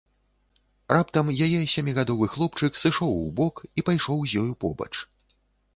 Раптам яе сямігадовы хлопчык сышоў убок і пайшоў з ёю побач.